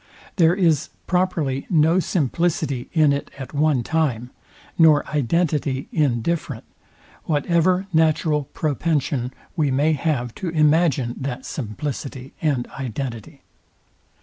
There is properly no simplicity in it at one time, nor identity in different; whatever natural propension we may have to imagine that simplicity and identity.